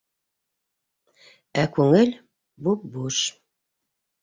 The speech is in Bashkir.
Ә күңел буп-буш.